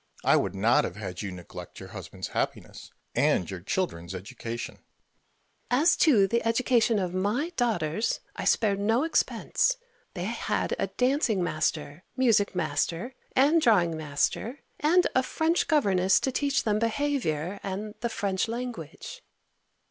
I would not have had you neglect your husband's happiness and your children's education. Mrs. Modish. As to the education of my daughters, I spared no expense; they had a dancing master, music master, and drawing mister, and a French governess to teach them behaviour and the French language.